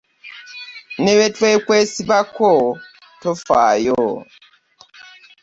Ne bwe tukwesibako tofaayo.